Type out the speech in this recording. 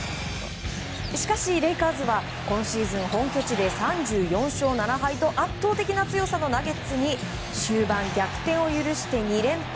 しかしレイカーズは今シーズン本拠地で３４勝７敗と圧倒的な強さのナゲッツに終盤、逆転を許して２連敗。